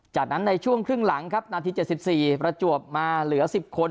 จากนั้นในช่วงครึ่งหลังครับนาที๗๔ประจวบมาเหลือ๑๐คน